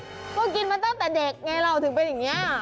ก็กินมาตั้งแต่เด็กไงเราถึงเป็นอย่างนี้